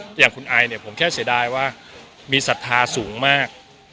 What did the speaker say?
อย่างคุณไอเนี่ยผมแค่เสียดายว่ามีศรัทธาสูงมาก